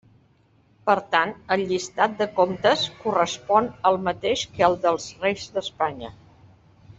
Per tant, el llistat de comtes correspon al mateix que al dels reis d'Espanya.